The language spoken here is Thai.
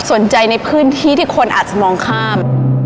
ในพื้นที่ที่คนอาจจะมองข้าม